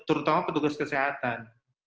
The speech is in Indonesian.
terutama petugas kesehatan